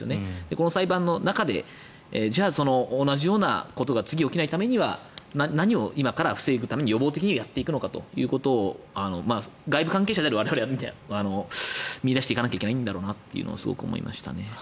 この裁判の中でじゃあ、同じようなことが次起きないためには何を今から防ぐために予防的にやっていくのかということを外部関係者である我々が見いだしていかなきゃいけないんだろうなとすごく思いましたね。